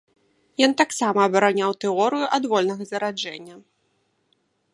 Ён таксама абараняў тэорыю адвольнага зараджэння.